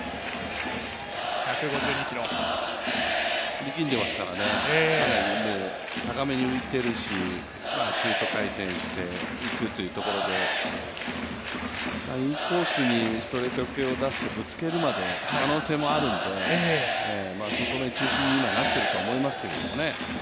力んでいますから、かなり高めに浮いているし、シュート回転していくというところで、インコースにストレート系を出すとぶつけるまで可能性もあるので外目中心にはなっていると思いますけどね。